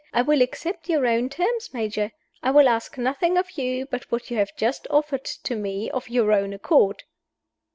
"I will accept your own terms, Major. I will ask nothing of you but what you have just offered to me of your own accord."